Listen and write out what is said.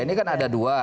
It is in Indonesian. ini kan ada dua